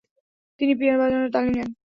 তিনি পিয়ানো বাজানোর তালিম নেন।